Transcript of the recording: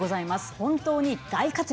本当に大活躍。